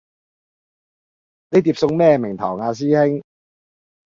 呢碟餸咩名堂呀師兄